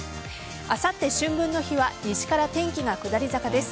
あさって春分の日は西から天気が下り坂です。